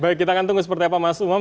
baik kita akan tunggu seperti apa mas umam